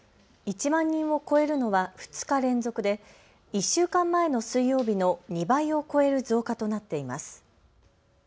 １万人を超えるのは２日連続で１週間前の水曜日の２倍を超える増加となっています。